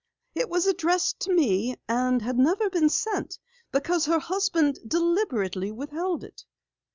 It was addressed to me, and had never been sent, because her husband deliberately withheld it.